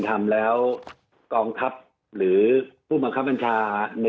สวัสดีครับทุกคน